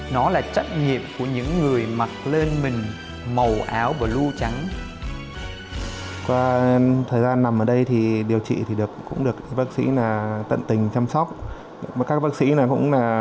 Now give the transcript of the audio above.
nó là trách nhiệm của những người mặc lên mình màu áo blue trắng